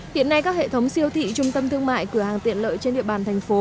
hiện nay các hệ thống siêu thị trung tâm thương mại cửa hàng tiện lợi trên địa bàn thành phố